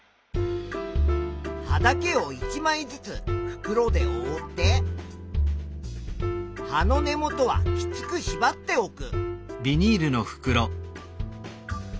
葉だけを１まいずつ袋でおおって葉の根元はきつくしばっておく。